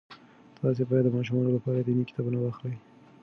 تاسې باید د ماشومانو لپاره دیني کتابونه واخلئ.